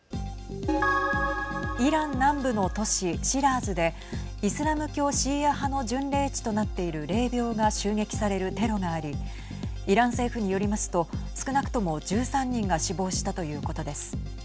イラン南部の都市シラーズでイスラム教シーア派の巡礼地となっている霊びょうが襲撃されるテロがありイラン政府によりますと少なくとも１３人が死亡したということです。